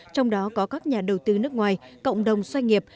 trong đó có các nhà đầu tư nước ngoài cộng đồng doanh nghiệp